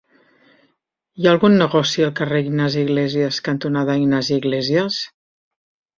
Hi ha algun negoci al carrer Ignasi Iglésias cantonada Ignasi Iglésias?